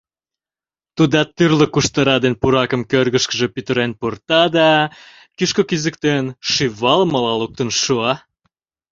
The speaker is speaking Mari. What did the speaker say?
Тудат тӱрлӧ куштыра ден пуракым кӧргышкыжӧ пӱтырен пурта да, кӱшкӧ кӱзыктен, шӱвалмыла луктын шуа.